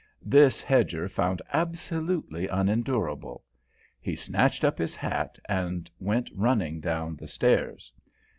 This Hedger found absolutely unendurable. He snatched up his hat and went running down the stairs.